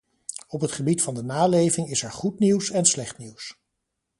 Op het gebied van de naleving is er goed nieuws en slecht nieuws.